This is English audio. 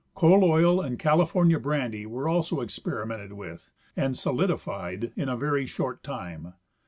Coal oil and California brandy were also experimented with and solidified in a very short time.